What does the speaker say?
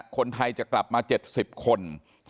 คนไทยจะกลับมา๗๐คน